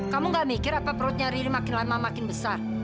kamu gak mikir apa perutnya riri makin lama makin besar